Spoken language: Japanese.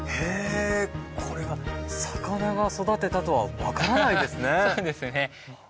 これ、魚が育てたとは分からないですね。